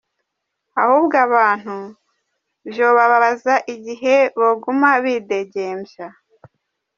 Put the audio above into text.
Ahubwo abantu vyobababaza igihe boguma bidegemvya.